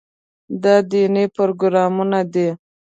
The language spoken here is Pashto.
دا دیني پروګرامونه دي.